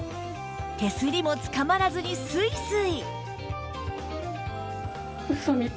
手すりもつかまらずにスイスイ！